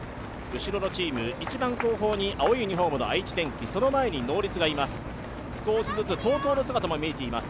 後ろのチーム、一番後方に青いユニフォームの愛知電機、その前にノーリツがいます。